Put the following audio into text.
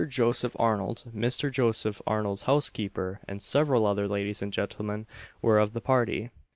Joseph Arnold, Mr. Joseph Arnold's housekeeper, and several other ladies and gentlemen, were of the party.